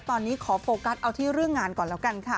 ตอนนี้ขอโฟกัสเอาที่เรื่องงานก่อนแล้วกันค่ะ